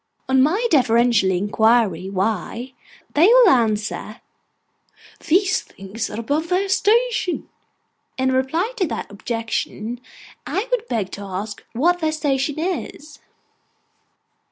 On my deferentially inquiring why, they will answer, 'These things are above their station.' In reply to that objection, I would beg to ask what their station is.